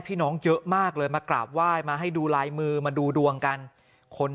พี่น้องเยอะมากเลยมากราบไหว้มาให้ดูลายมือมาดูดวงกันคน